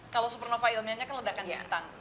kalau supernova ilmiahnya kan ledakan bintang